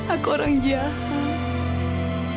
aku orang jahat